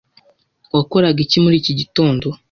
Wakoraga iki muri iki gitondo?